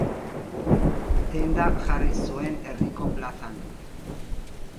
Denda jarri zuen herriko plazan.